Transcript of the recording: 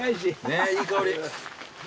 ねっいい香り。